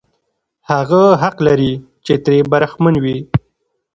هغه حق لري چې ترې برخمن وي.